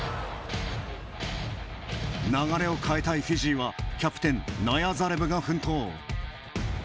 流れを変えたいフィジーはキャプテン、ナヤザレブが奮闘。